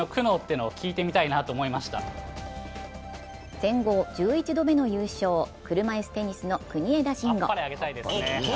全豪１１度目の優勝、車いすテニスの国枝慎吾。